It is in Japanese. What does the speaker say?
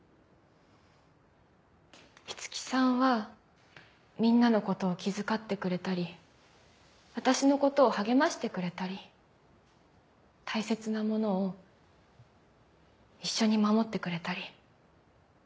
五木さんはみんなのことを気遣ってくれたり私のことを励ましてくれたり大切なものを一緒に守ってくれたり。